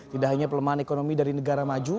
tidak hanya pelemahan ekonomi dari negara maju